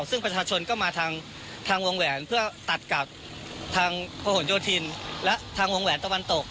ซึ่งประชาชนก็มาทางวงแหวนเพื่อตัดกับทางพระหลโยธินและทางวงแหวนตะวันตก